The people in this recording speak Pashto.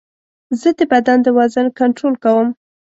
زه د بدن د وزن کنټرول کوم.